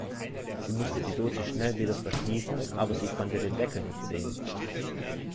Sie musste die Dose schnell wieder verschließen, aber sie konnte den Deckel nicht sehen.